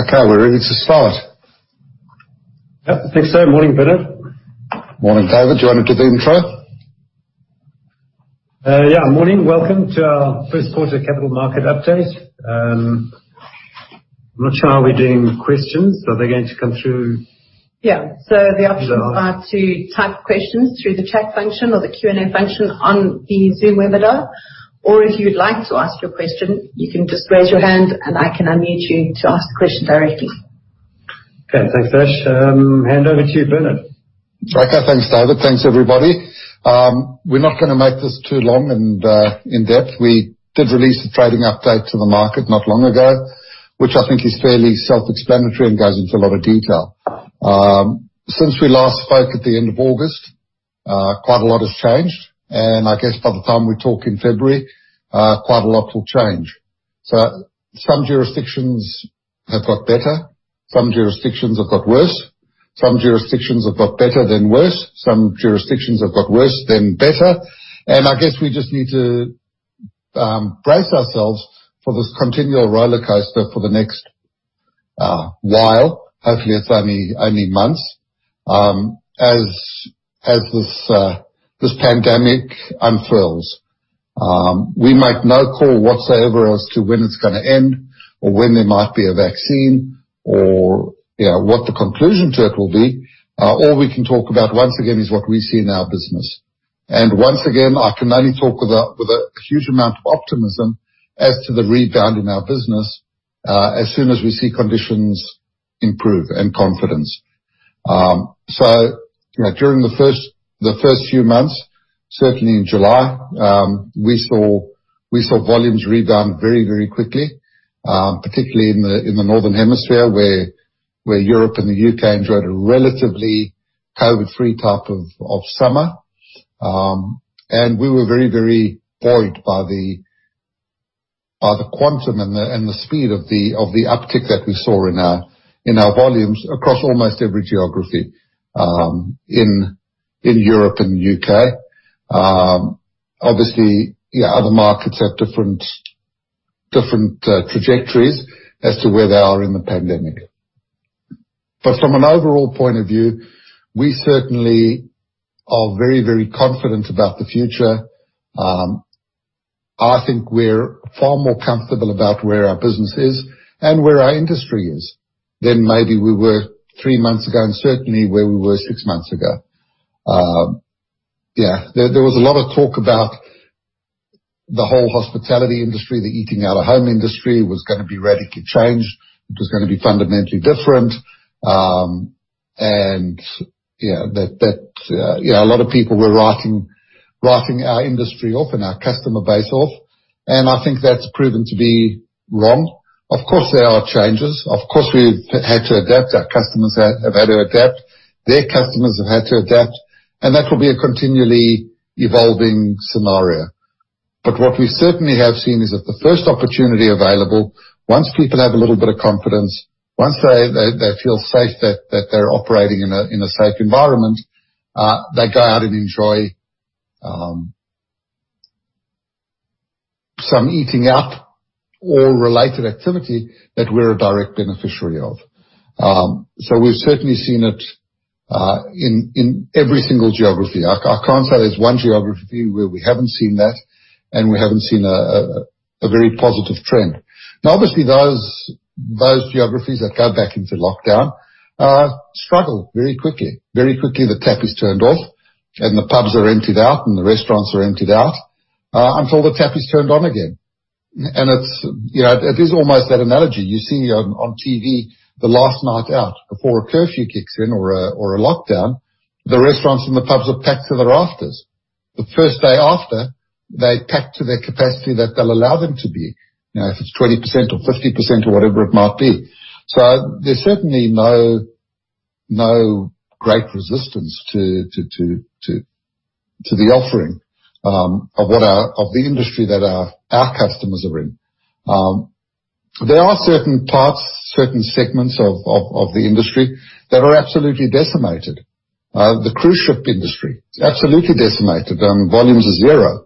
Okay, we're ready to start? Yep. Think so. Morning, Bernard? Morning, David. Do you want to do the intro? Yeah. Morning. Welcome to our first quarter capital market update. I'm not sure how we're doing questions. Are they going to come through? Yeah. The options are to type questions through the chat function or the Q&A function on the Zoom webinar. If you'd like to ask your question, you can just raise your hand and I can unmute you to ask the question directly. Okay. Thanks, Ash. Hand over to you, Bernard. Okay. Thanks, David. Thanks, everybody. We're not going to make this too long and in-depth. We did release the trading update to the market not long ago, which I think is fairly self-explanatory and goes into a lot of detail. Since we last spoke at the end of August, quite a lot has changed, and I guess by the time we talk in February, quite a lot will change. Some jurisdictions have got better, some jurisdictions have got worse, some jurisdictions have got better then worse, some jurisdictions have got worse then better, and I guess we just need to brace ourselves for this continual rollercoaster for the next while. Hopefully, it's only months as this pandemic unfurls. We might not call whatsoever as to when it's gonna end or when there might be a vaccine or what the conclusion to it will be. All we can talk about, once again, is what we see in our business. Once again, I can only talk with a huge amount of optimism as to the rebound in our business, as soon as we see conditions improve and confidence. During the first few months, certainly in July, we saw volumes rebound very quickly, particularly in the northern hemisphere where Europe and the U.K. enjoyed a relatively COVID-free type of summer. We were very buoyed by the quantum and the speed of the uptick that we saw in our volumes across almost every geography in Europe and U.K. Obviously, other markets have different trajectories as to where they are in the pandemic. From an overall point of view, we certainly are very confident about the future. I think we're far more comfortable about where our business is and where our industry is than maybe we were three months ago and certainly where we were six months ago. Yeah. There was a lot of talk about the whole hospitality industry, the eating out of home industry was gonna be radically changed. It was gonna be fundamentally different. A lot of people were writing our industry off and our customer base off, and I think that's proven to be wrong. Of course, there are changes. Of course, we've had to adapt. Our customers have had to adapt. Their customers have had to adapt, and that will be a continually evolving scenario. What we certainly have seen is that the first opportunity available, once people have a little bit of confidence, once they feel safe that they're operating in a safe environment, they go out and enjoy some eating out or related activity that we're a direct beneficiary of. We've certainly seen it in every single geography. I can't say there's one geography where we haven't seen that and we haven't seen a very positive trend. Now, obviously those geographies that go back into lockdown struggle very quickly. Very quickly the tap is turned off and the pubs are emptied out and the restaurants are emptied out, until the tap is turned on again. It is almost that analogy you see on TV the last night out before a curfew kicks in or a lockdown, the restaurants and the pubs are packed to the rafters. The first day after, they're packed to their capacity that they'll allow them to be. If it's 20% or 50% or whatever it might be. There's certainly no great resistance to the offering of the industry that our customers are in. There are certain parts, certain segments of the industry that are absolutely decimated. The cruise ship industry, absolutely decimated. Volumes are zero.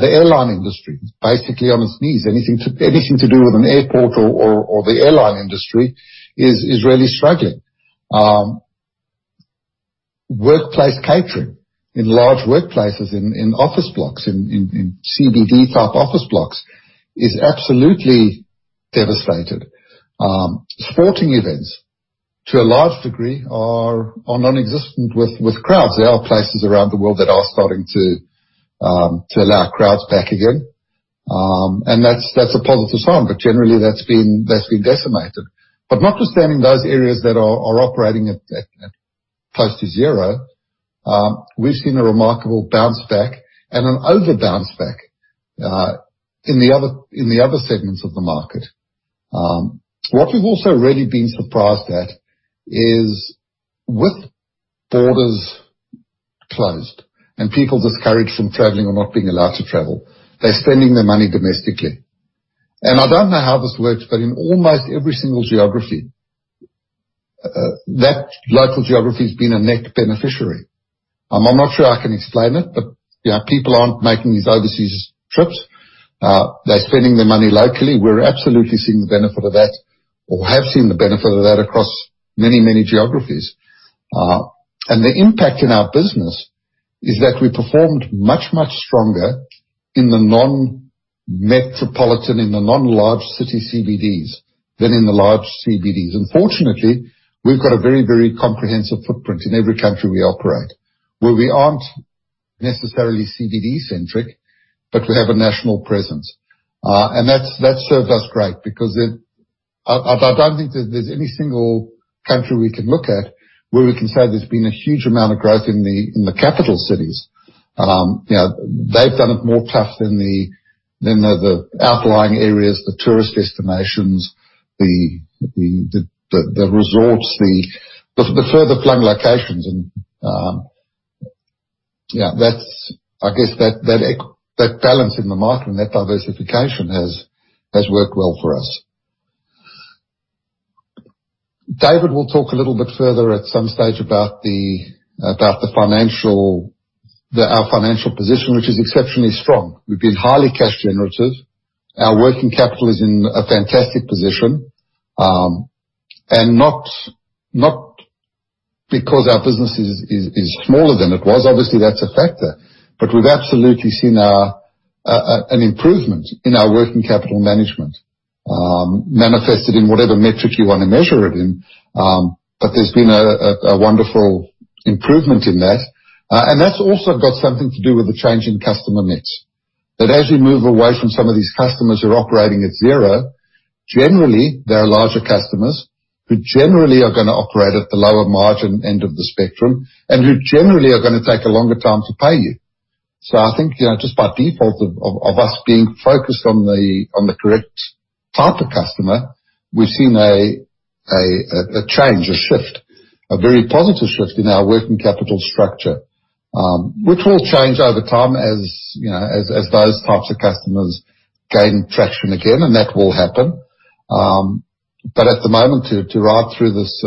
The airline industry is basically on its knees. Anything to do with an airport or the airline industry is really struggling. Workplace catering in large workplaces, in office blocks, in CBD type office blocks is absolutely devastated. Sporting events, to a large degree, are non-existent with crowds. There are places around the world that are starting to allow crowds back again. That's a positive sign. Generally, that's been decimated. Notwithstanding those areas that are operating at close to zero, we've seen a remarkable bounce back and an over bounce back in the other segments of the market. What we've also really been surprised at is with borders closed and people discouraged from traveling or not being allowed to travel, they're spending their money domestically. I don't know how this works, but in almost every single local geography has been a net beneficiary. I'm not sure I can explain it, but people aren't making these overseas trips. They're spending their money locally. We're absolutely seeing the benefit of that or have seen the benefit of that across many, many geographies. The impact in our business is that we performed much, much stronger in the non-metropolitan, in the non-large city CBDs than in the large CBDs. Fortunately, we've got a very, very comprehensive footprint in every country we operate, where we aren't necessarily CBD-centric, but we have a national presence. That's served us great because I don't think there's any single country we can look at where we can say there's been a huge amount of growth in the capital cities. They've done it more tough than the outlying areas, the tourist destinations, the resorts, the further flung locations. I guess that balance in the market and that diversification has worked well for us. David will talk a little bit further at some stage about our financial position, which is exceptionally strong. We've been highly cash generative. Our working capital is in a fantastic position. Not because our business is smaller than it was. Obviously, that's a factor. We've absolutely seen an improvement in our working capital management, manifested in whatever metric you want to measure it in. There's been a wonderful improvement in that. That's also got something to do with the change in customer mix. That as we move away from some of these customers who are operating at zero, generally, they are larger customers who generally are going to operate at the lower margin end of the spectrum and who generally are going to take a longer time to pay you. I think just by default of us being focused on the correct type of customer, we've seen a change, a shift, a very positive shift in our working capital structure, which will change over time as those types of customers gain traction again, and that will happen. At the moment, to ride through this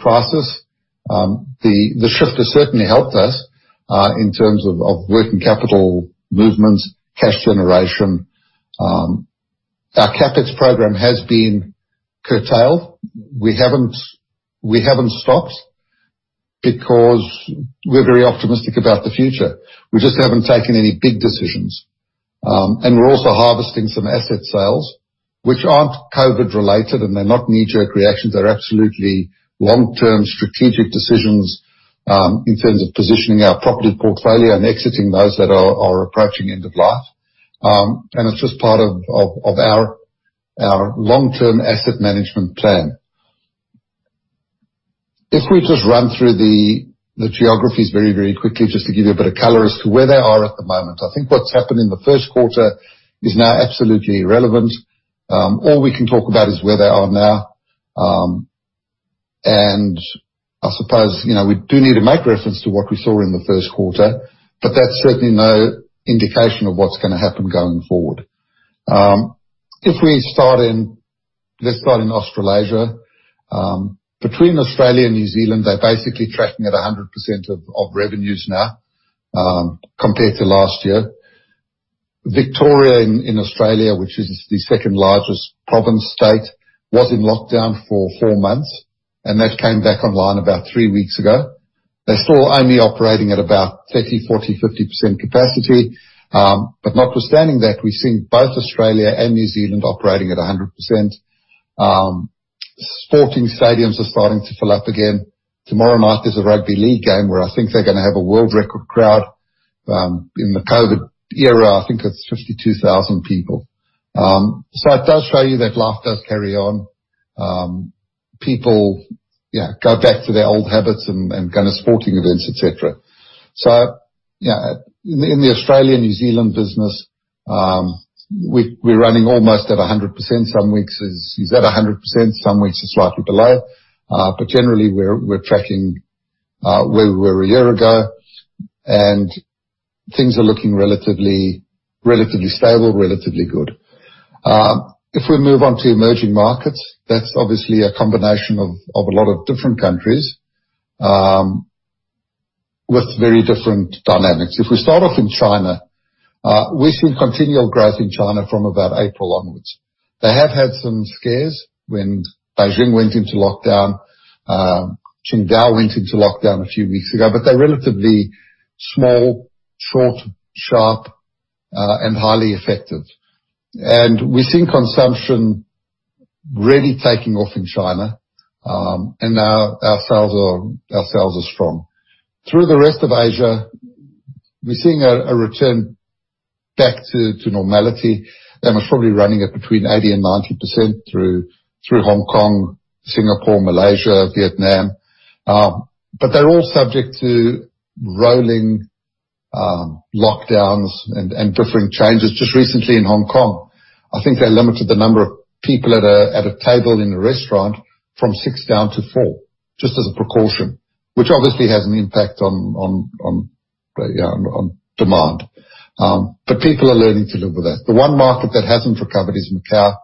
crisis, the shift has certainly helped us in terms of working capital movements, cash generation. Our CapEx program has been curtailed. We haven't stopped because we're very optimistic about the future. We just haven't taken any big decisions. We're also harvesting some asset sales, which aren't COVID-related, and they're not knee-jerk reactions. They're absolutely long-term strategic decisions in terms of positioning our property portfolio and exiting those that are approaching end of life. It's just part of our long-term asset management plan. If we just run through the geographies very, very quickly, just to give you a bit of color as to where they are at the moment. I think what's happened in the first quarter is now absolutely irrelevant. All we can talk about is where they are now. I suppose we do need to make reference to what we saw in the first quarter, but that's certainly no indication of what's going to happen going forward. If we start in Australasia. Between Australia and New Zealand, they're basically tracking at 100% of revenues now compared to last year. Victoria in Australia, which is the second-largest province state, was in lockdown for four months, and they've came back online about three weeks ago. They're still only operating at about 30%, 40%, 50% capacity. Notwithstanding that, we're seeing both Australia and New Zealand operating at 100%. Sporting stadiums are starting to fill up again. Tomorrow night there's a rugby league game where I think they're going to have a world record crowd. In the COVID era, I think it's 52,000 people. It does show you that life does carry on. People go back to their old habits and go to sporting events, et cetera. In the Australia-New Zealand business, we're running almost at 100%. Some weeks is at 100%, some weeks it's slightly below. Generally, we're tracking where we were a year ago, and things are looking relatively stable, relatively good. If we move on to emerging markets, that's obviously a combination of a lot of different countries with very different dynamics. If we start off in China, we've seen continual growth in China from about April onwards. They have had some scares when Beijing went into lockdown. Qingdao went into lockdown a few weeks ago. They're relatively small, short, sharp, and highly effective. We're seeing consumption really taking off in China, and our sales are strong. Through the rest of Asia, we're seeing a return back to normality, and we're probably running at between 80%-90% through Hong Kong, Singapore, Malaysia, Vietnam. They're all subject to rolling lockdowns and different changes. Just recently in Hong Kong, I think they limited the number of people at a table in a restaurant from six down to four, just as a precaution, which obviously has an impact on demand. People are learning to live with that. The one market that hasn't recovered is Macao,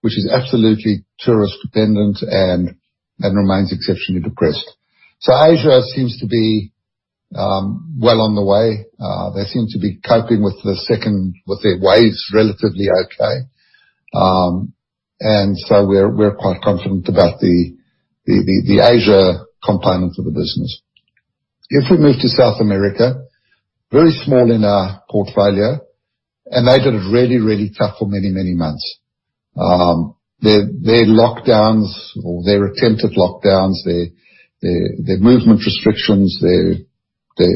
which is absolutely tourist dependent and remains exceptionally depressed. Asia seems to be well on the way. They seem to be coping with their waves relatively okay. We're quite confident about the Asia component of the business. If we move to South America, very small in our portfolio, and they had it really, really tough for many, many months. Their lockdowns or their attempted lockdowns, their movement restrictions, their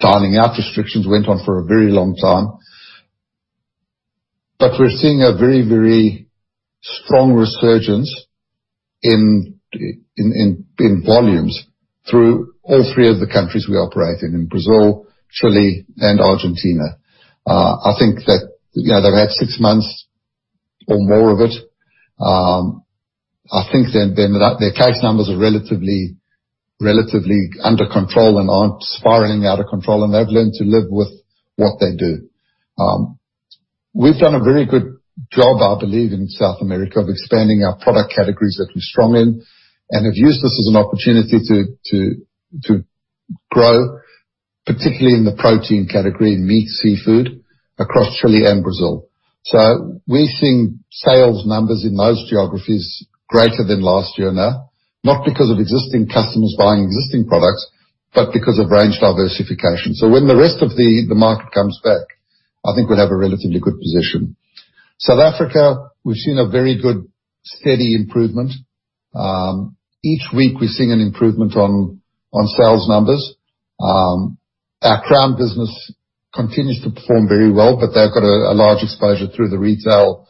dining out restrictions went on for a very long time. We're seeing a very, very strong resurgence in volumes through all three of the countries we operate in Brazil, Chile, and Argentina. I think that they've had six months or more of it. I think their case numbers are relatively under control and aren't spiraling out of control, and they've learned to live with what they do. We've done a very good job, I believe, in South America, of expanding our product categories that we're strong in and have used this as an opportunity to grow, particularly in the protein category, meat, seafood, across Chile and Brazil. We're seeing sales numbers in those geographies greater than last year now, not because of existing customers buying existing products, but because of range diversification. When the rest of the market comes back, I think we'll have a relatively good position. South Africa, we've seen a very good, steady improvement. Each week we're seeing an improvement on sales numbers. Our Crown business continues to perform very well, but they've got a large exposure through the retail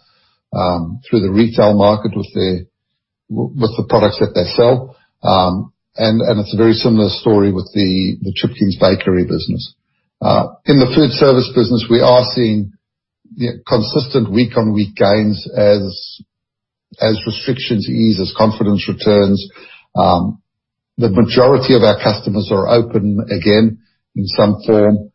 market with the products that they sell. It's a very similar story with the Chipkins bakery business. In the food service business, we are seeing consistent week-on-week gains as restrictions ease, as confidence returns. The majority of our customers are open again in some form.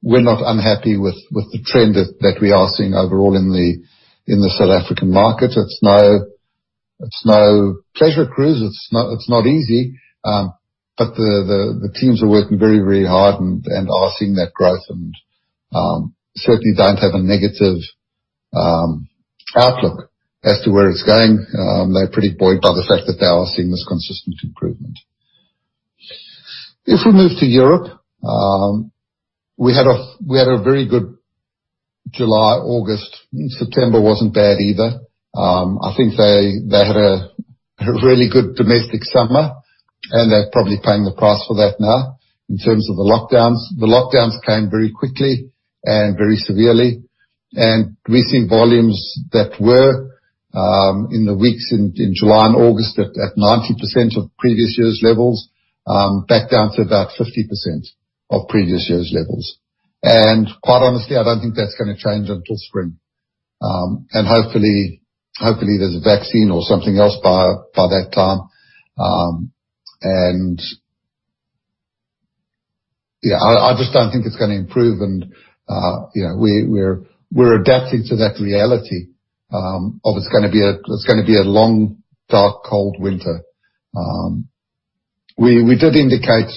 We're not unhappy with the trend that we are seeing overall in the South African market. It's no pleasure cruise. It's not easy. The teams are working very, very hard and are seeing that growth and certainly don't have a negative outlook as to where it's going. They're pretty buoyed by the fact that they are seeing this consistent improvement. If we move to Europe, we had a very good July, August. September wasn't bad either. I think they had a really good domestic summer, and they're probably paying the price for that now in terms of the lockdowns. The lockdowns came very quickly and very severely. We've seen volumes that were, in the weeks in July and August, at 90% of previous year's levels, back down to about 50% of previous year's levels. Quite honestly, I don't think that's going to change until spring. Hopefully, there's a vaccine or something else by that time. I just don't think it's going to improve and we're adapting to that reality of it's going to be a long, dark, cold winter. We did indicate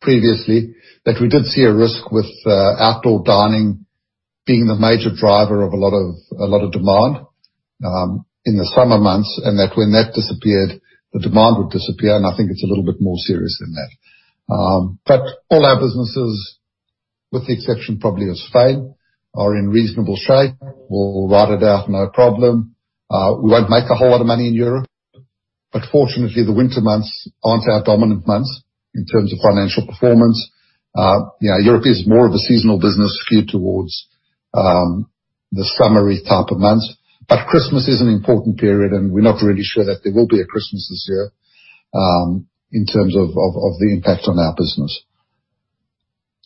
previously that we did see a risk with outdoor dining being the major driver of a lot of demand in the summer months, and that when that disappeared, the demand would disappear, and I think it's a little bit more serious than that. All our businesses, with the exception probably of Spain, are in reasonable shape. We'll ride it out, no problem. We won't make a whole lot of money in Europe, but fortunately, the winter months aren't our dominant months in terms of financial performance. Europe is more of a seasonal business skewed towards the summery type of months. Christmas is an important period, and we're not really sure that there will be a Christmas this year in terms of the impact on our business.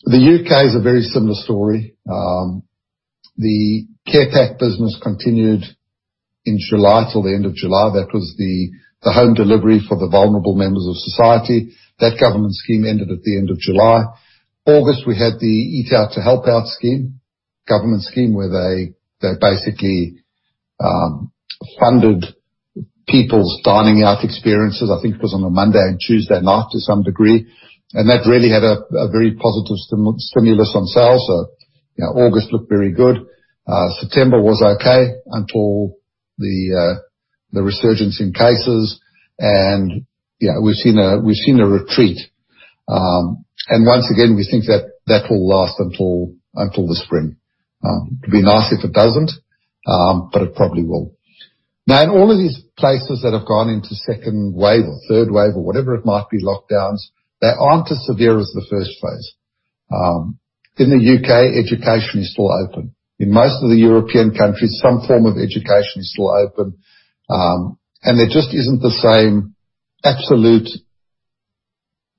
The U.K. is a very similar story. The care pack business continued in July till the end of July. That was the home delivery for the vulnerable members of society. That government scheme ended at the end of July. August, we had the Eat Out to Help Out scheme, government scheme, where they basically funded people's dining out experiences. I think it was on a Monday and Tuesday night to some degree. That really had a very positive stimulus on sales. August looked very good. September was okay until the resurgence in cases and we've seen a retreat. Once again, we think that will last until the spring. It'd be nice if it doesn't, but it probably will. Now, in all of these places that have gone into second wave or third wave or whatever it might be, lockdowns, they aren't as severe as the first phase. In the U.K., education is still open. In most of the European countries, some form of education is still open. There just isn't the same absolute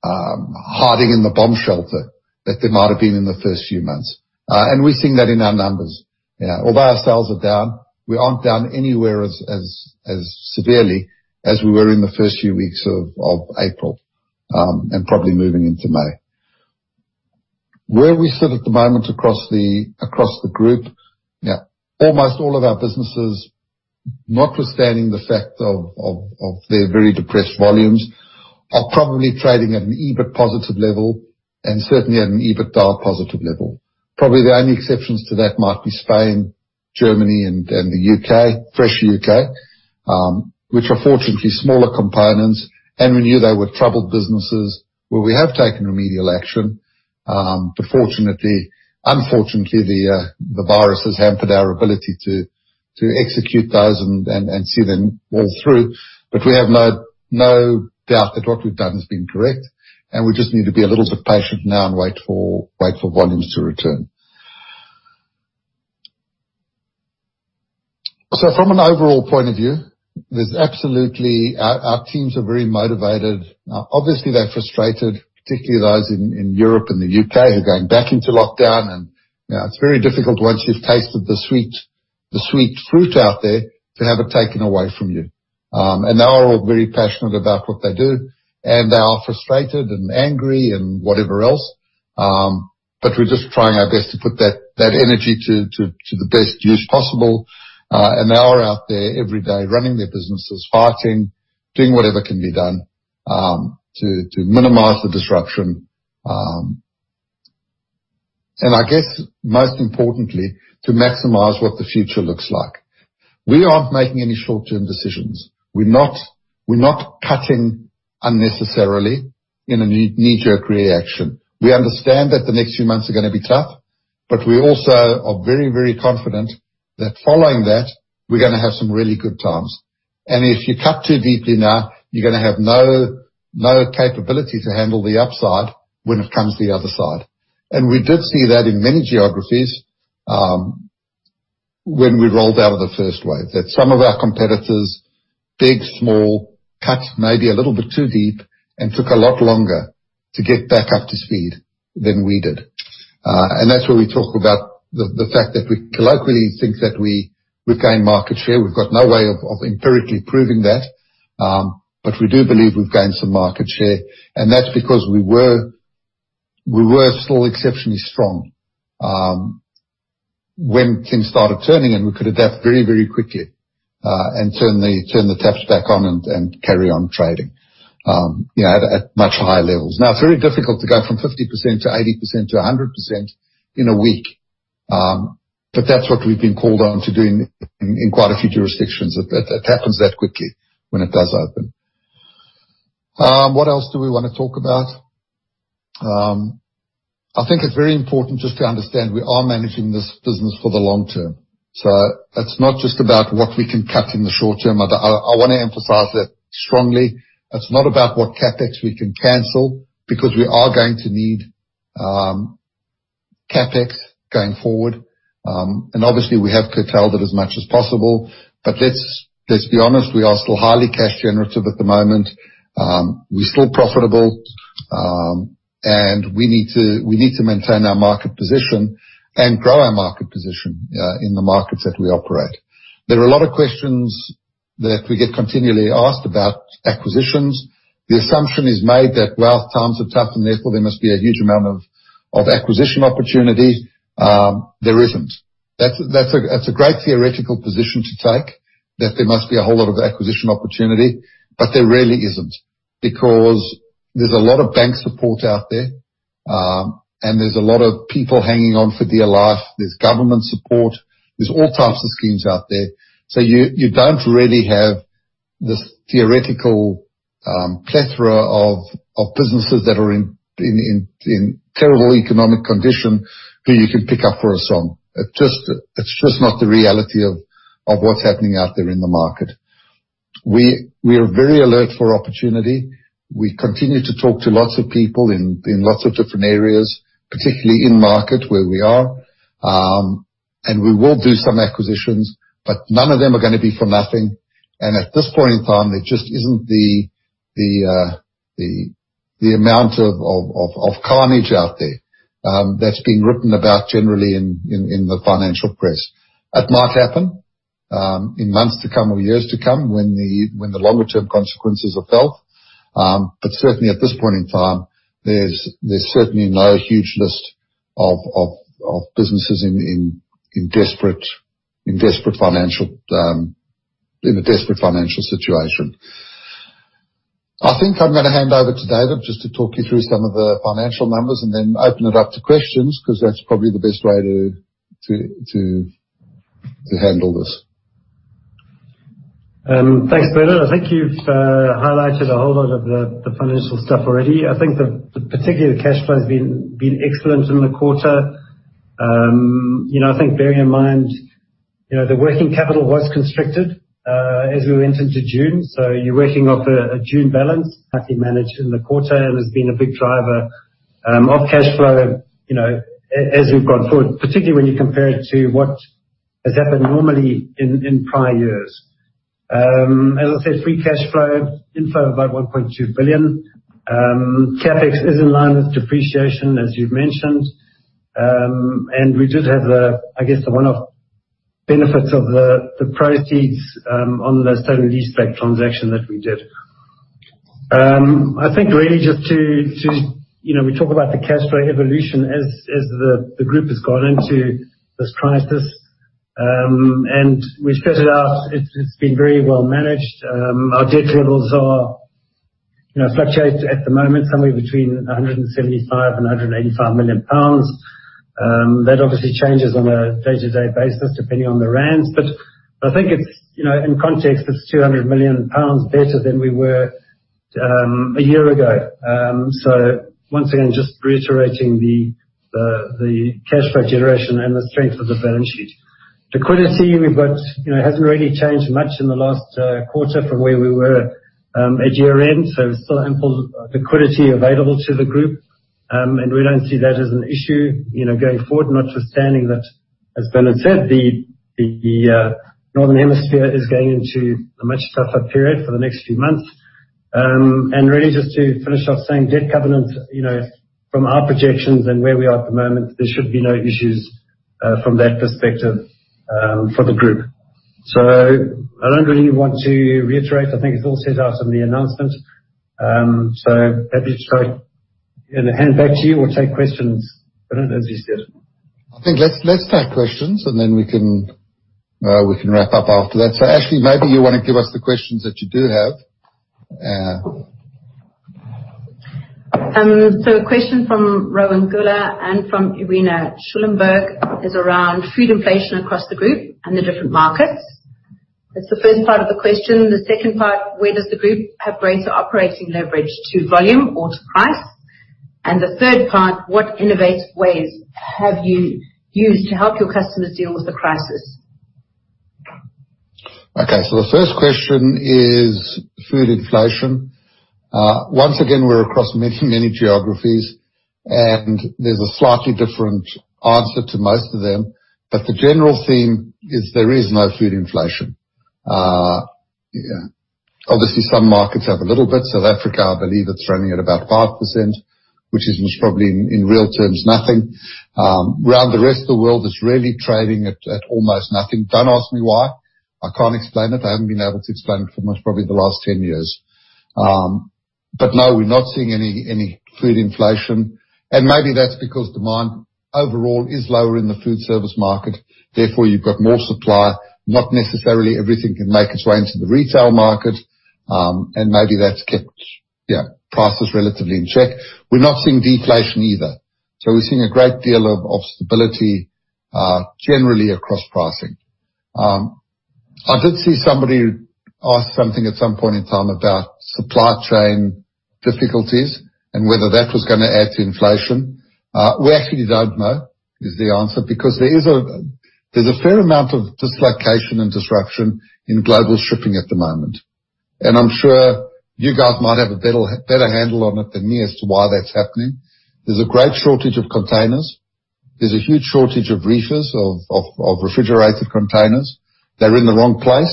hiding in the bomb shelter that they might have been in the first few months. We're seeing that in our numbers. Although our sales are down, we aren't down anywhere as severely as we were in the first few weeks of April, and probably moving into May. Where we sit at the moment across the group, almost all of our businesses, notwithstanding the fact of their very depressed volumes, are probably trading at an EBIT-positive level and certainly at an EBITDA-positive level. Probably the only exceptions to that might be Spain, Germany and the U.K., fresh U.K., which are fortunately smaller components and we knew they were troubled businesses where we have taken remedial action. Unfortunately, the virus has hampered our ability to execute those and see them all through. We have no doubt that what we've done has been correct, and we just need to be a little bit patient now and wait for volumes to return. From an overall point of view, our teams are very motivated. Obviously, they're frustrated, particularly those in Europe and the U.K. who are going back into lockdown. It's very difficult once you've tasted the sweet fruit out there to have it taken away from you. They are all very passionate about what they do, and they are frustrated and angry and whatever else. We're just trying our best to put that energy to the best use possible. They are out there every day running their businesses, fighting, doing whatever can be done to minimize the disruption. I guess most importantly, to maximize what the future looks like. We aren't making any short-term decisions. We're not cutting unnecessarily in a knee-jerk reaction. We understand that the next few months are going to be tough, but we also are very, very confident that following that, we're going to have some really good times. If you cut too deeply now, you're going to have no capability to handle the upside when it comes the other side. We did see that in many geographies when we rolled out of the first wave. That some of our competitors, big, small, cut maybe a little bit too deep and took a lot longer to get back up to speed than we did. That's where we talk about the fact that we colloquially think that we've gained market share. We've got no way of empirically proving that. We do believe we've gained some market share, and that's because we were still exceptionally strong when things started turning, and we could adapt very, very quickly, and turn the taps back on and carry on trading at much higher levels. It's very difficult to go from 50% to 80% to 100% in a week. That's what we've been called on to do in quite a few jurisdictions. It happens that quickly when it does open. What else do we want to talk about? I think it's very important just to understand we are managing this business for the long term. It's not just about what we can cut in the short term. I want to emphasize that strongly. It's not about what CapEx we can cancel because we are going to need CapEx going forward. Obviously, we have curtailed it as much as possible. Let's be honest, we are still highly cash generative at the moment. We're still profitable. We need to maintain our market position and grow our market position in the markets that we operate. There are a lot of questions that we get continually asked about acquisitions. The assumption is made that, well, times are tough and therefore there must be a huge amount of acquisition opportunity. There isn't. That's a great theoretical position to take, that there must be a whole lot of acquisition opportunity, but there really isn't. There's a lot of bank support out there, and there's a lot of people hanging on for dear life. There's government support. There's all types of schemes out there. You don't really have this theoretical plethora of businesses that are in terrible economic condition who you can pick up for a song. It's just not the reality of what's happening out there in the market. We are very alert for opportunity. We continue to talk to lots of people in lots of different areas, particularly in market where we are. We will do some acquisitions, but none of them are going to be for nothing. At this point in time, there just isn't the amount of carnage out there that's been written about generally in the financial press. It might happen in months to come or years to come when the longer-term consequences are felt. Certainly at this point in time, there's certainly no huge list of businesses in a desperate financial situation. I think I'm going to hand over to David just to talk you through some of the financial numbers and then open it up to questions, because that's probably the best way to handle this. Thanks, Bernard. I think you've highlighted a whole lot of the financial stuff already. I think particularly the cash flow has been excellent in the quarter. I think bearing in mind the working capital was constricted as we went into June. You're working off a June balance actually managed in the quarter and has been a big driver of cash flow as we've gone forward, particularly when you compare it to what has happened normally in prior years. As I said, free cash flow, in-flow about 1.2 billion. CapEx is in line with depreciation, as you've mentioned. We did have, I guess, a one-off benefits of the proceeds on the [standard] leaseback transaction that we did. I think really we talk about the cash flow evolution as the group has gone into this crisis. We set it out. It's been very well managed. Our debt levels fluctuate at the moment, somewhere between 175 million and 185 million pounds. That obviously changes on a day-to-day basis, depending on the Rand. I think it's, in context, it's 200 million pounds better than we were a year ago. Once again, just reiterating the cash flow generation and the strength of the balance sheet. Liquidity, we've got, it hasn't really changed much in the last quarter from where we were at year-end, so there's still ample liquidity available to the group. We don't see that as an issue, going forward, notwithstanding that, as Bernard said, the Northern Hemisphere is going into a much tougher period for the next few months. Really just to finish off saying debt covenant, from our projections and where we are at the moment, there should be no issues from that perspective for the group. I don't really want to reiterate. I think it's all set out in the announcement. Maybe just I hand back to you or take questions, Bernard, as you said. I think let's take questions, and then we can wrap up after that. Ashley, maybe you want to give us the questions that you do have. A question from Rowan Goeller and from Irina Schulenburg is around food inflation across the group and the different markets. That is the first part of the question. The second part, where does the group have greater operating leverage, to volume or to price? The third part, what innovative ways have you used to help your customers deal with the crisis? The first question is food inflation. Once again, we're across many geographies, and there's a slightly different answer to most of them. The general theme is there is no food inflation. Obviously, some markets have a little bit. South Africa, I believe it's running at about 5%, which is most probably in real terms nothing. Around the rest of the world, it's really trading at almost nothing. Don't ask me why. I can't explain it. I haven't been able to explain it for most, probably the last 10 years. No, we're not seeing any food inflation. Maybe that's because demand overall is lower in the food service market. Therefore, you've got more supply, not necessarily everything can make its way into the retail market. Maybe that's kept prices relatively in check. We're not seeing deflation either. We're seeing a great deal of stability generally across pricing. I did see somebody ask something at some point in time about supply chain difficulties and whether that was gonna add to inflation. We actually don't know, is the answer, because there's a fair amount of dislocation and disruption in global shipping at the moment. I'm sure you guys might have a better handle on it than me as to why that's happening. There's a great shortage of containers. There's a huge shortage of reefers, of refrigerated containers. They're in the wrong place.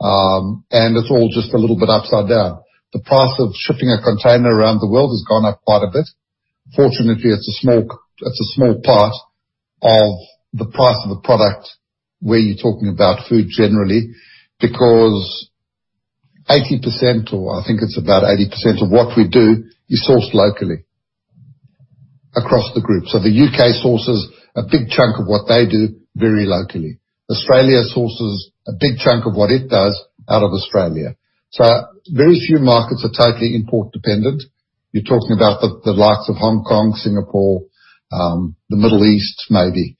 It's all just a little bit upside down. The price of shipping a container around the world has gone up quite a bit. Fortunately, it's a small part of the price of a product where you're talking about food generally, because 80%, or I think it's about 80% of what we do is sourced locally across the group. The U.K. sources a big chunk of what they do very locally. Australia sources a big chunk of what it does out of Australia. Very few markets are totally import-dependent. You're talking about the likes of Hong Kong, Singapore, the Middle East, maybe.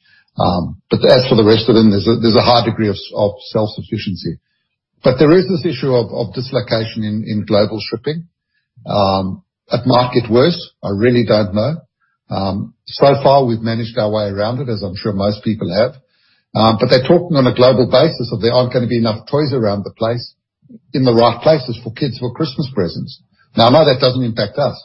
As for the rest of them, there's a high degree of self-sufficiency. There is this issue of dislocation in global shipping. It might get worse. I really don't know. So far, we've managed our way around it, as I'm sure most people have. They're talking on a global basis that there aren't going to be enough toys around the place in the right places for kids for Christmas presents. I know that doesn't impact us,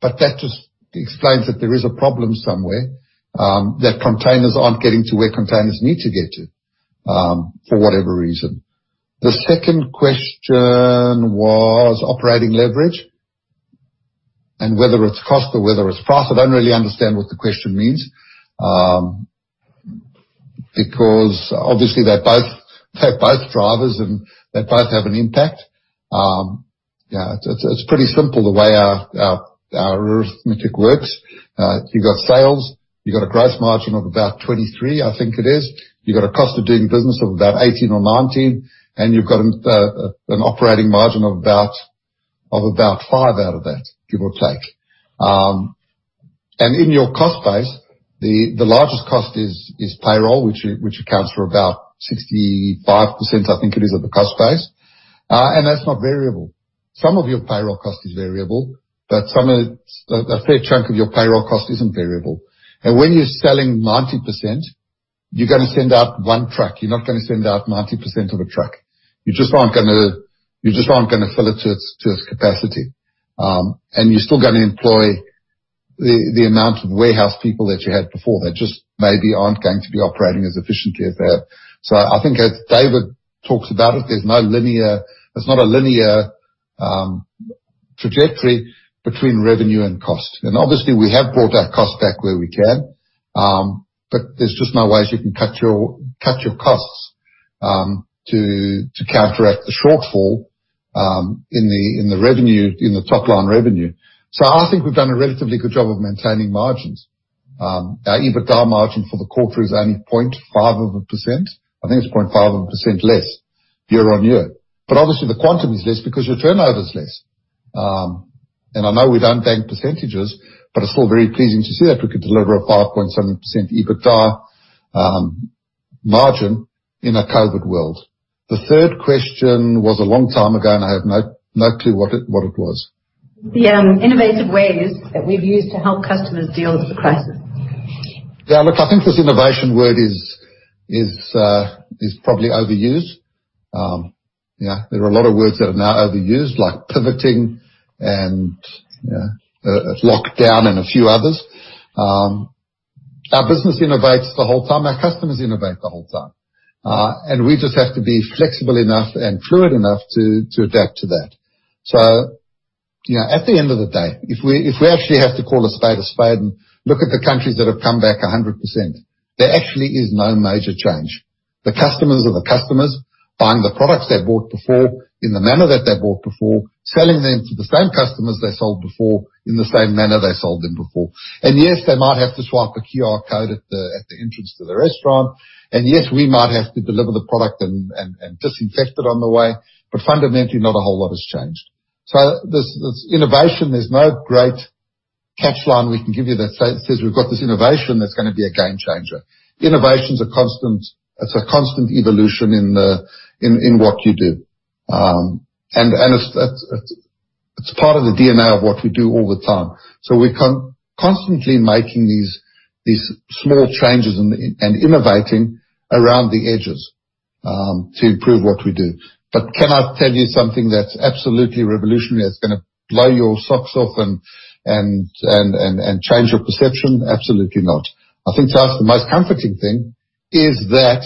but that just explains that there is a problem somewhere, that containers aren't getting to where containers need to get to, for whatever reason. The second question was operating leverage and whether it's cost or whether it's price. I don't really understand what the question means. Obviously they're both drivers, and they both have an impact. It's pretty simple the way our arithmetic works. You've got sales. You've got a gross margin of about 23%, I think it is. You've got a cost of doing business of about 18% or 19%, and you've got an operating margin of about 5% out of that, give or take. In your cost base, the largest cost is payroll, which accounts for about 65%, I think it is, of the cost base. That's not variable. Some of your payroll cost is variable, but a fair chunk of your payroll cost isn't variable. When you're selling 90%, you're gonna send out one truck. You're not gonna send out 90% of a truck. You just aren't gonna fill it to its capacity. You're still gonna employ the amount of warehouse people that you had before that just maybe aren't going to be operating as efficiently as that. I think as David talks about it's not a linear trajectory between revenue and cost. Obviously we have brought our cost back where we can, but there's just no ways you can cut your costs to counteract the shortfall in the top line revenue. I think we've done a relatively good job of maintaining margins. Our EBITDA margin for the quarter is only 0.5%. I think it's 0.5% less year-on-year. Obviously the quantum is less because your turnover is less. I know we don't bank percentages, but it's still very pleasing to see that we could deliver a 5.7% EBITDA margin in a COVID world. The third question was a long time ago, and I have no clue what it was. The innovative ways that we've used to help customers deal with the crisis. Yeah. Look, I think this innovation word is probably overused. There are a lot of words that are now overused, like pivoting and lockdown and a few others. Our business innovates the whole time. Our customers innovate the whole time. We just have to be flexible enough and fluid enough to adapt to that. At the end of the day, if we actually have to call a spade a spade and look at the countries that have come back 100%, there actually is no major change. The customers are the customers buying the products they bought before in the manner that they bought before, selling them to the same customers they sold before in the same manner they sold them before. Yes, they might have to swipe a QR code at the entrance to the restaurant. Yes, we might have to deliver the product and disinfect it on the way. Fundamentally, not a whole lot has changed. This innovation, there's no great catchline we can give you that says we've got this innovation that's going to be a game changer. Innovation, it's a constant evolution in what you do. It's part of the DNA of what we do all the time. We're constantly making these small changes and innovating around the edges to improve what we do. Can I tell you something that's absolutely revolutionary, that's going to blow your socks off and change your perception? Absolutely not. I think that's the most comforting thing is that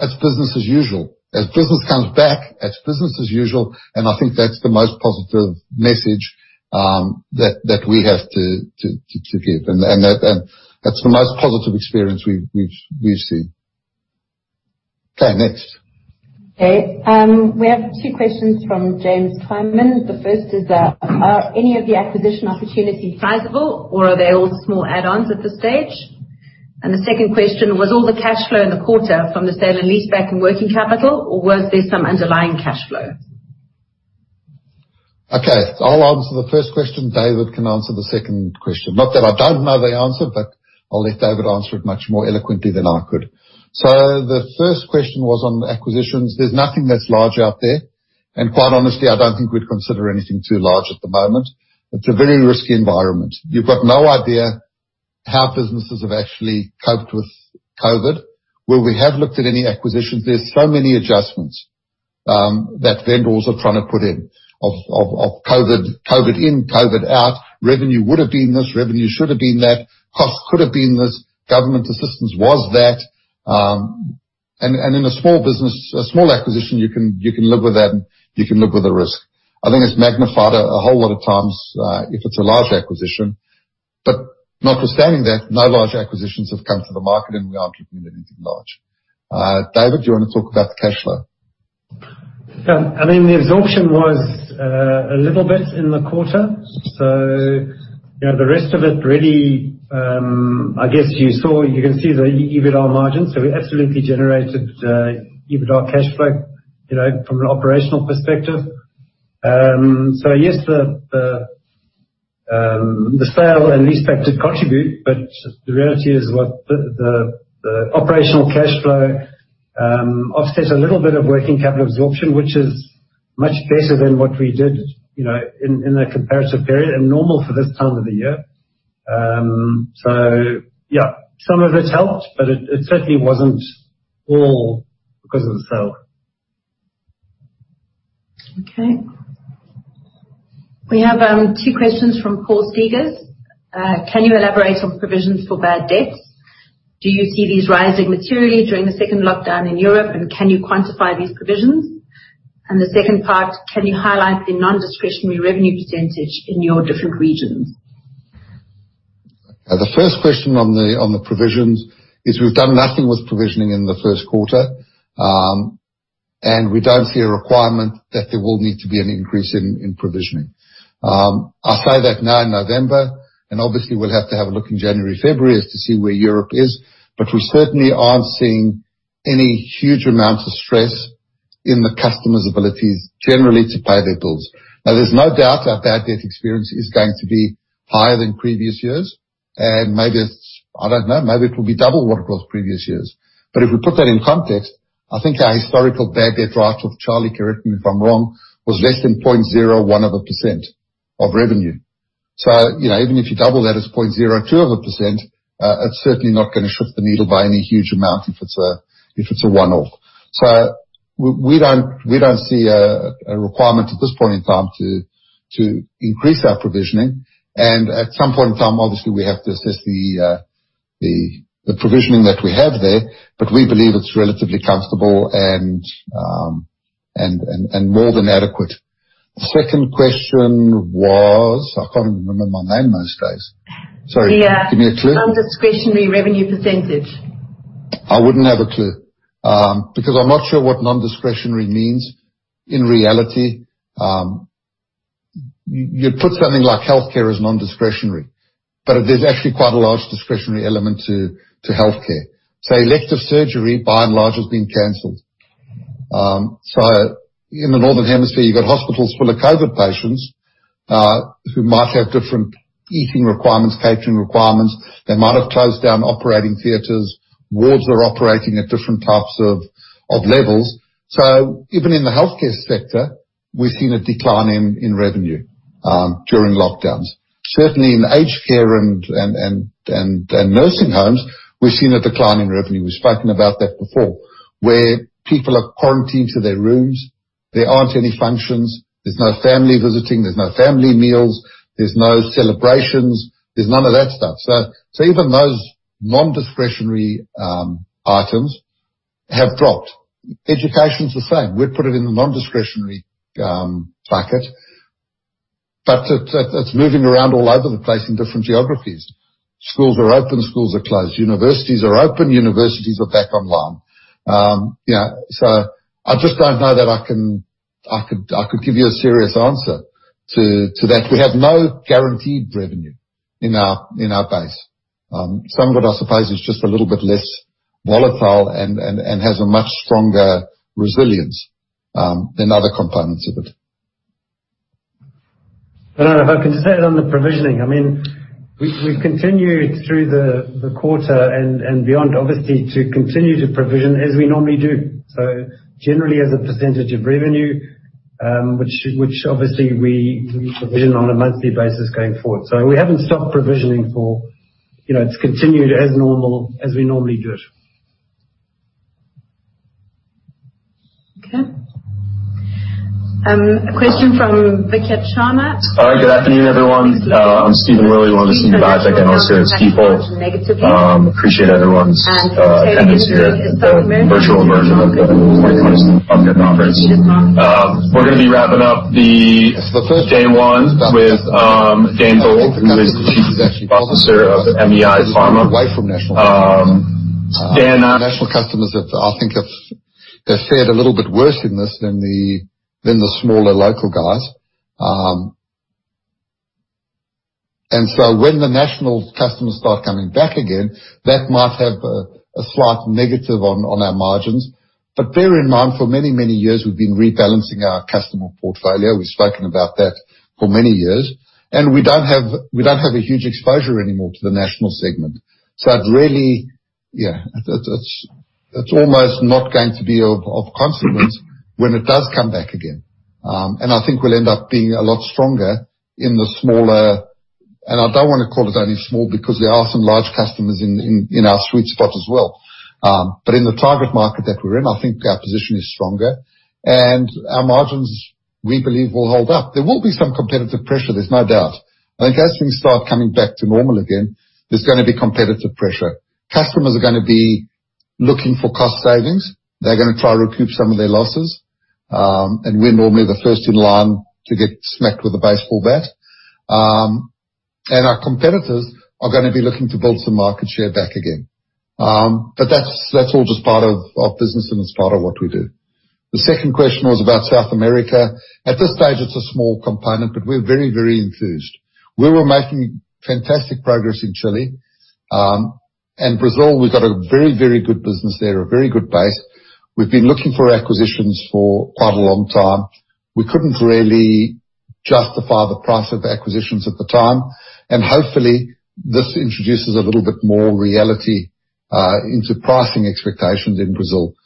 it's business as usual. As business comes back, it's business as usual. I think that's the most positive message that we have to give. That's the most positive experience we've seen. Okay, next. Okay. We have two questions from James Kleimann. The first is are any of the acquisition opportunities sizable or are they all small add-ons at this stage? The second question, was all the cash flow in the quarter from the sale and leaseback in working capital, or was there some underlying cash flow? I'll answer the first question. David can answer the second question. Not that I don't know the answer, I'll let David answer it much more eloquently than I could. The first question was on acquisitions. There's nothing that's large out there, quite honestly, I don't think we'd consider anything too large at the moment. It's a very risky environment. You've got no idea how businesses have actually coped with COVID. Where we have looked at any acquisitions, there's so many adjustments that vendors are trying to put in of COVID in, COVID out, revenue would have been this, revenue should have been that, cost could have been this, government assistance was that. In a small business, a small acquisition, you can live with that and you can live with the risk. I think it's magnified a whole lot of times if it's a large acquisition. Notwithstanding that, no large acquisitions have come to the market and we aren't looking at anything large. David, do you want to talk about the cash flow? I mean, the absorption was a little bit in the quarter. The rest of it really, I guess you can see the EBITDA margin. We absolutely generated EBITDA cash flow from an operational perspective. Yes, the sale and leaseback did contribute, but the reality is the operational cash flow offsets a little bit of working capital absorption, which is much better than what we did in the comparative period and normal for this time of the year. Yeah, some of it helped, but it certainly wasn't all because of the sale. Okay. We have two questions from Paul Steegers. Can you elaborate on provisions for bad debts? Do you see these rising materially during the second lockdown in Europe, and can you quantify these provisions? The second part, can you highlight the non-discretionary revenue percentage in your different regions? The first question on the provisions is we've done nothing with provisioning in the first quarter, and we don't see a requirement that there will need to be an increase in provisioning. I say that now in November. Obviously we'll have to have a look in January, February as to see where Europe is. We certainly aren't seeing any huge amounts of stress in the customers' abilities generally to pay their bills. Now, there's no doubt our bad debt experience is going to be higher than previous years. Maybe it's, I don't know, maybe it will be double what it was previous years. If we put that in context, I think our historical bad debt write-off, Charlie, correct me if I'm wrong, was less than 0.01% of revenue. Even if you double that, it's 0.02%. It's certainly not going to shift the needle by any huge amount if it's a one-off. We don't see a requirement at this point in time to increase our provisioning. At some point in time, obviously, we have to assess the provisioning that we have there. We believe it's relatively comfortable and more than adequate. The second question was, I can't even remember my name most days. Sorry, give me a clue. The non-discretionary revenue percentage. I wouldn't have a clue. I'm not sure what non-discretionary means in reality. You'd put something like healthcare as non-discretionary, but there's actually quite a large discretionary element to healthcare. Elective surgery, by and large, has been canceled. In the northern hemisphere, you've got hospitals full of COVID patients, who might have different eating requirements, catering requirements. They might have closed down operating theaters. Wards are operating at different types of levels. Even in the healthcare sector, we've seen a decline in revenue during lockdowns. Certainly in aged care and nursing homes, we've seen a decline in revenue. We've spoken about that before, where people are quarantined to their rooms. There aren't any functions. There's no family visiting. There's no family meals. There's no celebrations. There's none of that stuff. Even those non-discretionary items have dropped. Education's the same. We'd put it in the non-discretionary bucket, but it's moving around all over the place in different geographies. Schools are open, schools are closed. Universities are open, universities are back online. I just don't know that I could give you a serious answer to that. We have no guaranteed revenue in our base. Some of it, I suppose, is just a little bit less volatile and has a much stronger resilience than other components of it. I don't know if I can just add on the provisioning. We've continued through the quarter and beyond, obviously, to continue to provision as we normally do. Generally as a percentage of revenue, which obviously we provision on a monthly basis going forward. We haven't stopped provisioning, for it's continued as we normally do it. Okay. A question from Vikas Sharma. The national customers, I think have fared a little bit worse in this than the smaller local guys. When the national customers start coming back again, that might have a slight negative on our margins. Bear in mind, for many, many years, we've been rebalancing our customer portfolio. We've spoken about that for many years. We don't have a huge exposure anymore to the national segment. It's almost not going to be of consequence when it does come back again. I think we'll end up being a lot stronger in the smaller and I don't want to call it only small because there are some large customers in our sweet spot as well. In the target market that we're in, I think our position is stronger. Our margins, we believe, will hold up. There will be some competitive pressure, there's no doubt. As things start coming back to normal again, there's going to be competitive pressure. Customers are going to be looking for cost savings. They're going to try to recoup some of their losses. We're normally the first in line to get smacked with a baseball bat. Our competitors are going to be looking to build some market share back again. That's all just part of business and it's part of what we do. The second question was about South America. At this stage, it's a small component, but we're very, very enthused. We were making fantastic progress in Chile. Brazil, we've got a very, very good business there, a very good base. We've been looking for acquisitions for quite a long time. We couldn't really justify the price of acquisitions at the time. Hopefully, this introduces a little bit more reality into pricing expectations in Brazil.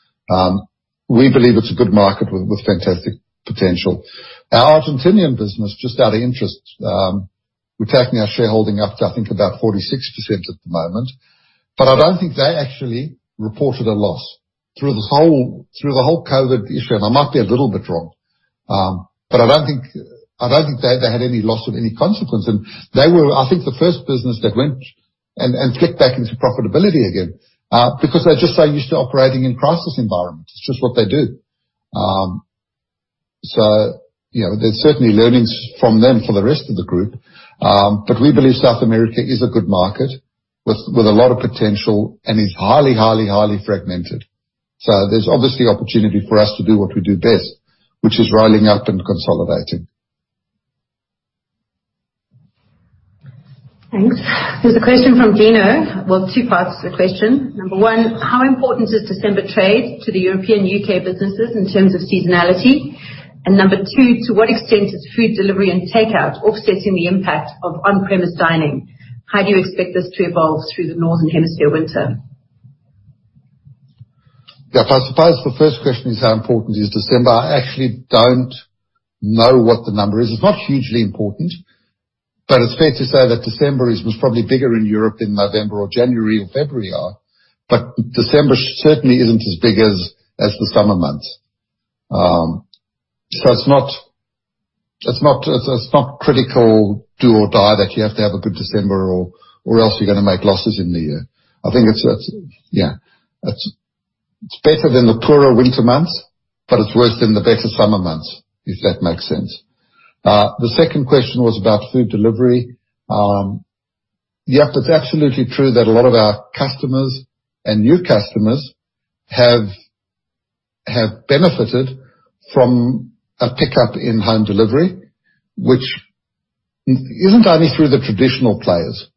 We believe it's a good market with fantastic potential. Our Argentinian business, just out of interest, we've taken our shareholding up to, I think, about 46% at the moment. I don't think they actually reported a loss through the whole COVID issue. I might be a little bit wrong. I don't think they had any loss of any consequence. They were, I think, the first business that went and flipped back into profitability again. Because they're just so used to operating in crisis environments. It's just what they do. There's certainly learnings from them for the rest of the group. We believe South America is a good market with a lot of potential and is highly, highly fragmented. There's obviously opportunity for us to do what we do best, which is rolling up and consolidating. Thanks. There's a question from Dino. Well, two parts to the question. Number one, how important is December trade to the European U.K. businesses in terms of seasonality? Number two, to what extent is food delivery and takeout offsetting the impact of on-premise dining? How do you expect this to evolve through the Northern Hemisphere winter? Yeah. I suppose the first question is how important is December. I actually don't know what the number is. It's not hugely important. It's fair to say that December was probably bigger in Europe than November or January or February are. December certainly isn't as big as the summer months. It's not critical do or die that you have to have a good December or else you're going to make losses in the year. I think it's better than the poorer winter months, but it's worse than the better summer months, if that makes sense. The second question was about food delivery. Yep. It's absolutely true that a lot of our customers and new customers have benefited from a pickup in home delivery, which isn't only through the traditional players.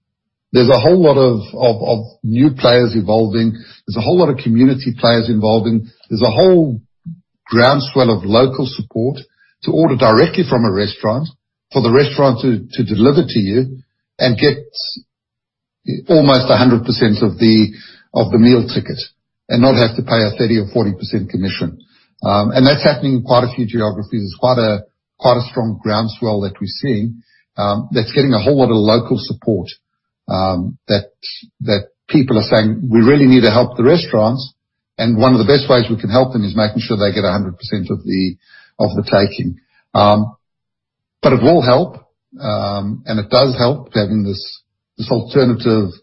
There's a whole lot of new players evolving. There's a whole lot of community players evolving. There's a whole groundswell of local support to order directly from a restaurant for the restaurant to deliver to you and get almost 100% of the meal ticket and not have to pay a 30% or 40% commission. That's happening in quite a few geographies. It's quite a strong groundswell that we're seeing that's getting a whole lot of local support that people are saying, we really need to help the restaurants, and one of the best ways we can help them is making sure they get 100% of the taking. It will help, and it does help having this alternative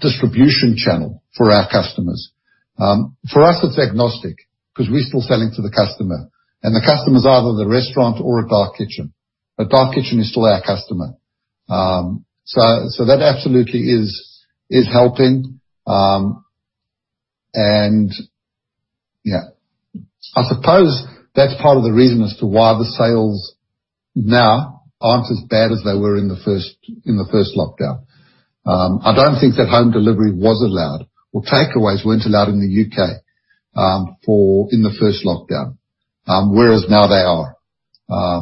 distribution channel for our customers. For us, it's agnostic because we're still selling to the customer, and the customer's either the restaurant or a dark kitchen. A dark kitchen is still our customer. That absolutely is helping. Yeah, I suppose that's part of the reason as to why the sales now aren't as bad as they were in the first lockdown. I don't think that home delivery was allowed, or takeaways weren't allowed in the U.K. in the first lockdown, whereas now they are.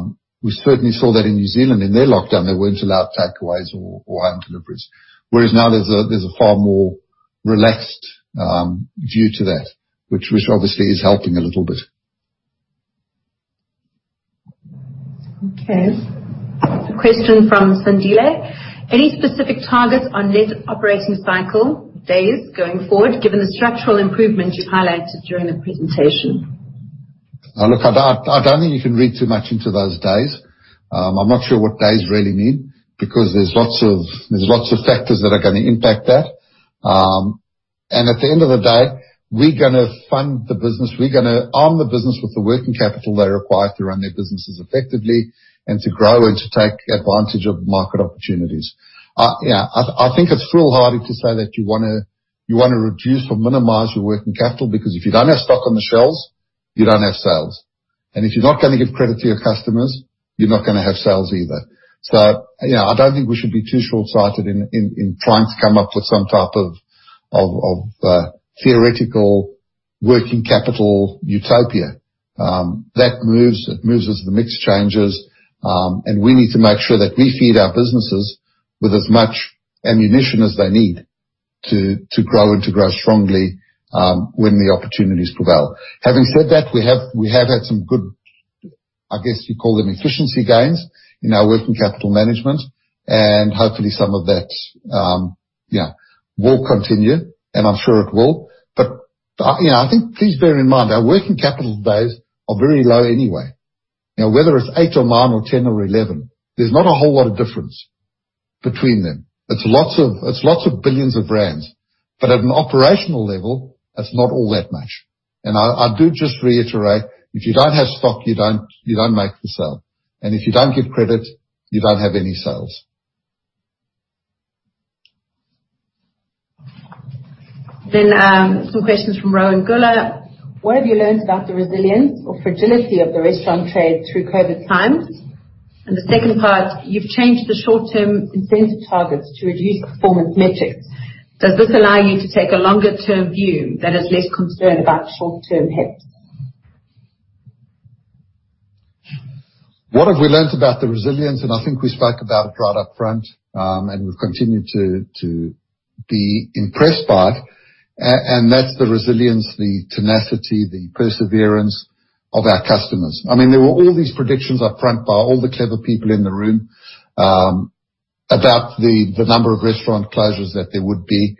We certainly saw that in New Zealand. In their lockdown, they weren't allowed takeaways or home deliveries, whereas now there's a far more relaxed view to that, which obviously is helping a little bit. Okay. A question from Sandile. Any specific targets on net operating cycle days going forward, given the structural improvement you've highlighted during the presentation? Look, I don't think you can read too much into those days. I'm not sure what days really mean because there's lots of factors that are going to impact that. At the end of the day, we're going to fund the business. We're going to arm the business with the working capital they require to run their businesses effectively and to grow and to take advantage of market opportunities. I think it's foolhardy to say that you want to reduce or minimize your working capital because if you don't have stock on the shelves, you don't have sales. If you're not going to give credit to your customers, you're not going to have sales either. I don't think we should be too short-sighted in trying to come up with some type of theoretical working capital utopia. That moves as the mix changes, and we need to make sure that we feed our businesses with as much ammunition as they need to grow and to grow strongly when the opportunities prevail. Having said that, we have had some good, I guess you call them efficiency gains in our working capital management, and hopefully, some of that will continue, and I'm sure it will. Please bear in mind, our working capital days are very low anyway. Now, whether it's eight working days or nine working days or 10 working days or 11 working days, there's not a whole lot of difference between them. It's lots of billions of Rand. At an operational level, that's not all that much. I do just reiterate, if you don't have stock, you don't make the sale. If you don't give credit, you don't have any sales. Some questions from Rowan Gillmer. What have you learnt about the resilience or fragility of the restaurant trade through COVID times? The second part, you've changed the short-term incentive targets to reduce performance metrics. Does this allow you to take a longer-term view that is less concerned about short-term hits? What have we learnt about the resilience? I think we spoke about it right up front, and we've continued to be impressed by it. That's the resilience, the tenacity, the perseverance of our customers. There were all these predictions up front by all the clever people in the room about the number of restaurant closures that there would be.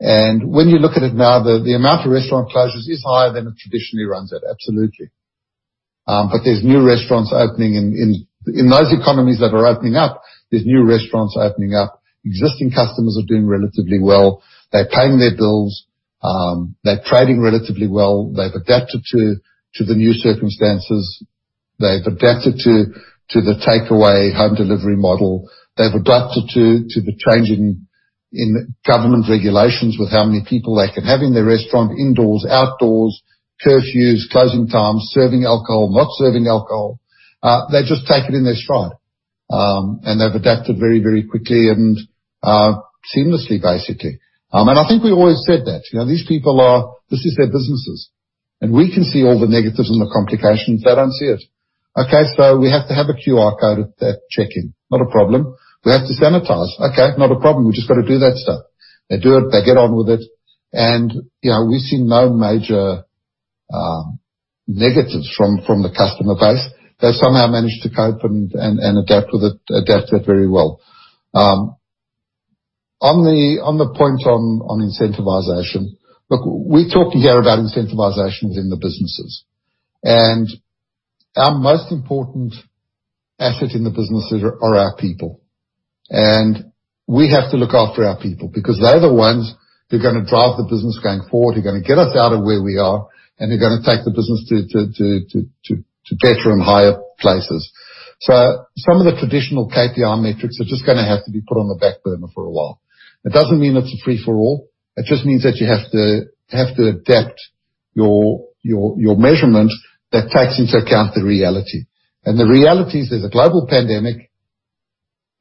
When you look at it now, the amount of restaurant closures is higher than it traditionally runs at, absolutely. There's new restaurants opening. In those economies that are opening up, there's new restaurants opening up. Existing customers are doing relatively well. They're paying their bills. They're trading relatively well. They've adapted to the new circumstances. They've adapted to the takeaway home delivery model. They've adapted to the change in government regulations with how many people they can have in their restaurant, indoors, outdoors, curfews, closing times, serving alcohol, not serving alcohol. They just take it in their stride, they've adapted very quickly and seamlessly, basically. I think we always said that. These people, this is their businesses, and we can see all the negatives and the complications. They don't see it. We have to have a QR code at that check-in. Not a problem. We have to sanitize. Not a problem. We just got to do that stuff. They do it. They get on with it. We've seen no major negatives from the customer base. They've somehow managed to cope and adapt to it very well. On the point on incentivization. Look, we talk here about incentivizations in the businesses. Our most important asset in the businesses are our people. We have to look after our people because they're the ones who are going to drive the business going forward, who are going to get us out of where we are, and who are going to take the business to better and higher places. Some of the traditional KPI metrics are just going to have to be put on the back burner for a while. It doesn't mean it's a free-for-all. It just means that you have to adapt your measurement that takes into account the reality. The reality is there's a global pandemic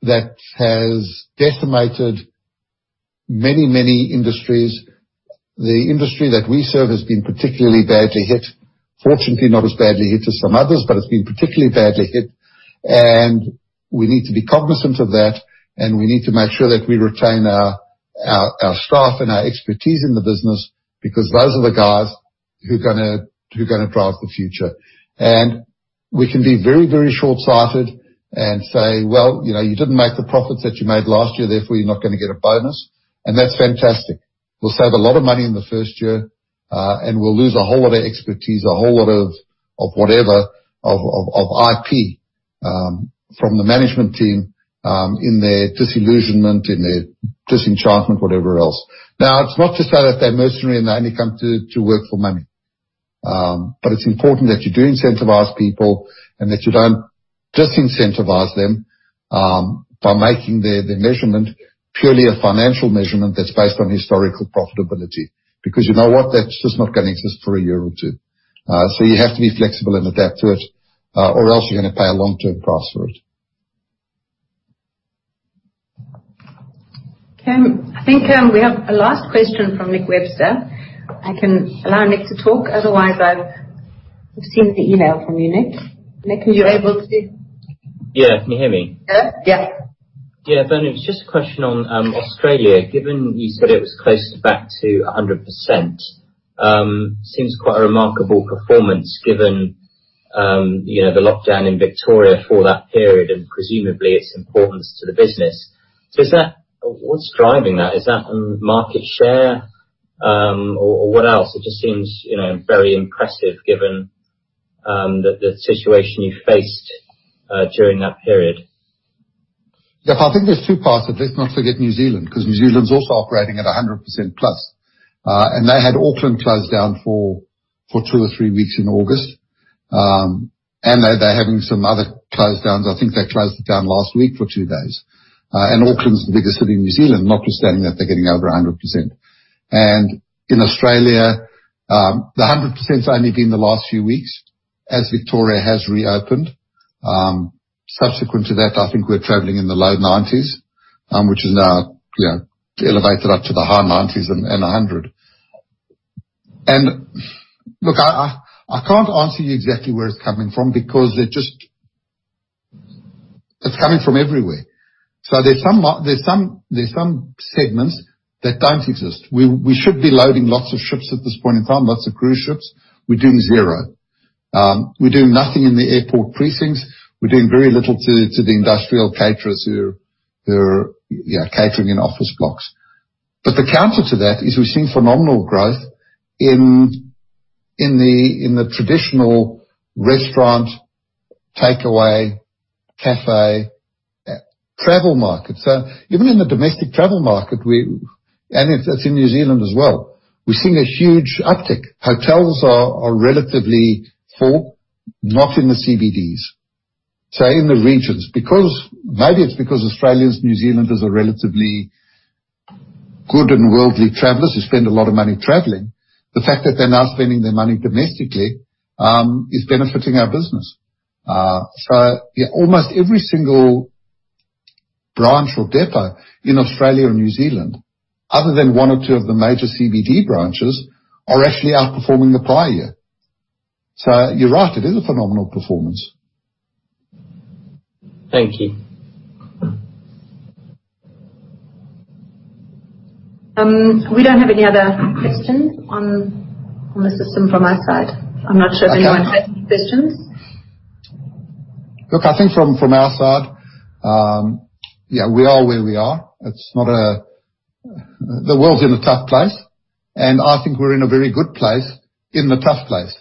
that has decimated many industries. The industry that we serve has been particularly badly hit. Fortunately, not as badly hit as some others, but it's been particularly badly hit, and we need to be cognizant of that, and we need to make sure that we retain our staff and our expertise in the business because those are the guys who are going to drive the future. We can be very shortsighted and say, well, you didn't make the profits that you made last year, therefore you're not going to get a bonus. That's fantastic. We'll save a lot of money in the first year, and we'll lose a whole lot of expertise, a whole lot of whatever, of IP from the management team, in their disillusionment, in their disenchantment, whatever else. Now, it's not to say that they're mercenary and they only come to work for money. It's important that you do incentivize people and that you don't disincentivize them by making their measurement purely a financial measurement that's based on historical profitability. You know what? That's just not going to exist for a year or two. You have to be flexible and adapt to it, or else you're going to pay a long-term price for it. I think we have a last question from Nick Webster. I can allow Nick to talk, otherwise I've seen the email from you, Nick. Nick, are you able to- Yeah. Can you hear me? Yeah. Yeah. Bernard, it was just a question on Australia. Given you said it was close to back to 100%. Seems quite a remarkable performance given the lockdown in Victoria for that period and presumably its importance to the business. What's driving that? Is that market share? What else? It just seems very impressive given the situation you faced during that period. Yeah. I think there's two parts of it. Let's not forget New Zealand, because New Zealand is also operating at 100%+. They had Auckland closed down for two or three weeks in August. They're having some other close-downs. I think they closed it down last week for two days. Auckland is the biggest city in New Zealand. Notwithstanding that they're getting over 100%. In Australia, the 100% has only been the last few weeks as Victoria has reopened. Subsequent to that, I think we're traveling in the low 90s%. Which is now elevated up to the high 90s% and 100%. Look, I can't answer you exactly where it's coming from because it's coming from everywhere. There's some segments that don't exist. We should be loading lots of ships at this point in time, lots of cruise ships. We're doing zero. We're doing nothing in the airport precincts. We're doing very little to the industrial caterers who are catering in office blocks. The counter to that is we're seeing phenomenal growth in the traditional restaurant, takeaway, cafe, travel market. Even in the domestic travel market, and that's in New Zealand as well, we're seeing a huge uptick. Hotels are relatively full, not in the CBDs. In the regions. Maybe it's because Australians, New Zealanders are relatively good and worldly travelers who spend a lot of money traveling. The fact that they're now spending their money domestically is benefiting our business. Yeah, almost every single branch or depot in Australia and New Zealand, other than one or two of the major CBD branches, are actually outperforming the prior year. You're right, it is a phenomenal performance. Thank you. We don't have any other questions on the system from our side. I'm not sure if anyone has any questions. Look, I think from our side, we are where we are. The world's in a tough place, and I think we're in a very good place in a tough place.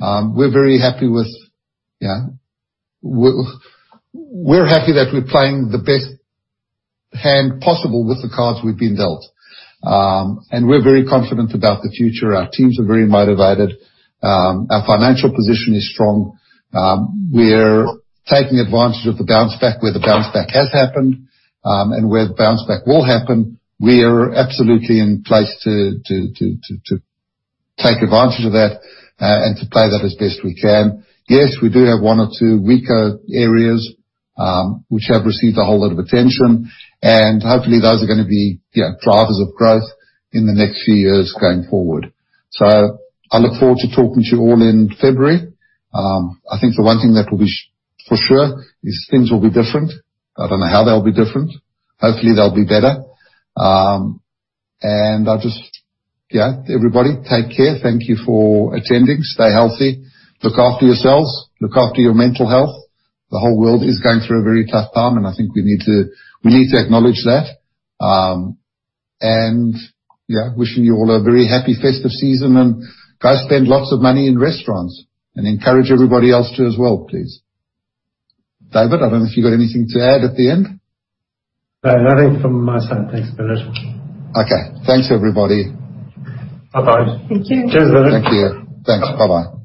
We're happy that we're playing the best hand possible with the cards we've been dealt. We're very confident about the future. Our teams are very motivated. Our financial position is strong. We're taking advantage of the bounce back where the bounce back has happened. Where the bounce back will happen, we are absolutely in place to take advantage of that, and to play that as best we can. Yes, we do have one or two weaker areas, which have received a whole lot of attention. Hopefully, those are going to be drivers of growth in the next few years going forward. I look forward to talking to you all in February. I think the one thing that will be for sure is things will be different. I don't know how they'll be different. Hopefully, they'll be better. Everybody, take care. Thank you for attending. Stay healthy. Look after yourselves. Look after your mental health. The whole world is going through a very tough time, and I think we need to acknowledge that. Wishing you all a very happy festive season. Go spend lots of money in restaurants. Encourage everybody else to as well, please. David, I don't know if you got anything to add at the end. No, nothing from my side. Thanks, Bernard. Okay. Thanks, everybody. Bye. Thank you. Cheers, Bernard. Thank you. Thanks. Bye-bye.